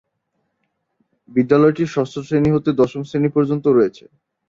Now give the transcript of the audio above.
বিদ্যালয়টি ষষ্ঠ শ্রেণী হতে দশম শ্রেণী পর্যন্ত রয়েছে।